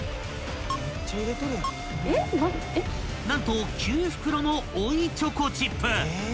［何と９袋の追いチョコチップ］